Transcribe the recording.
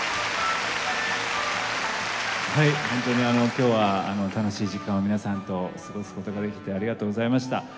本当に今日は楽しい時間を皆さんと過ごすことができてありがとうございました。